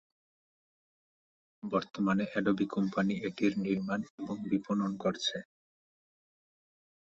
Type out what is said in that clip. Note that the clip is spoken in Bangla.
বর্তমানে অ্যাডোবি কোম্পানী এটির নির্মাণ এবং বিপণন করছে।